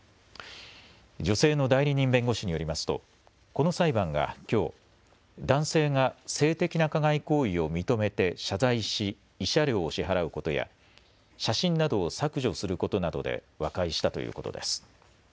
女性の代理人弁護士によりますとこの裁判がきょう男性が性的な加害行為を認めて謝罪し慰謝料を支払うことや写真などを削除することなどで和解したということです。